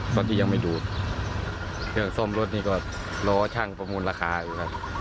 ตอนนี้ยังไม่ดูดเครื่องซ่อมรถนี่ก็รอช่างประมูลราคาอยู่ครับ